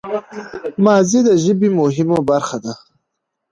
ماضي د ژبي مهمه برخه ده.